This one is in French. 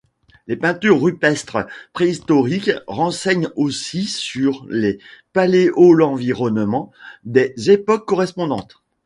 Les peintures rupestres préhistoriques renseignent aussi sur les paléoenvironnements des époques correspondantes.